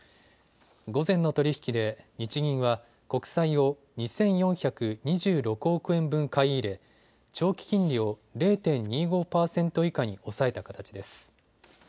午前の取り引きで日銀は国債を２４２６億円分買い入れ長期金利を０．２５％以下に抑えた形です。